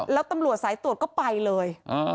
แล้วตำรวจสายตรวจก็ไปเลย